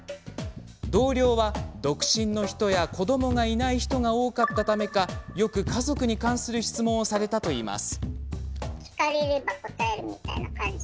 同僚は、独身の人や子どもがいない人が多かったためかよく家族に関する質問をされたといいます。